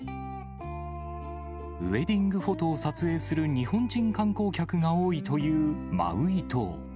ウエディングフォトを撮影する日本人観光客が多いというマウイ島。